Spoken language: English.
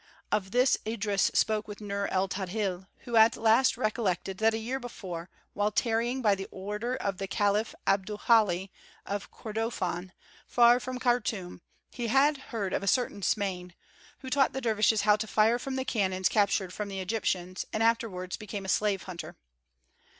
Of this Idris spoke with Nur el Tadhil, who at last recollected that a year before, while tarrying by the order of the caliph Abdullahi in Kordofân, far from Khartûm, he had heard of a certain Smain, who taught the dervishes how to fire from the cannons captured from the Egyptians, and afterwards became a slave hunter.